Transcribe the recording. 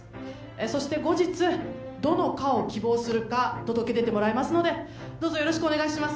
そして後日どの科を希望するか届け出てもらいますのでどうぞよろしくお願いします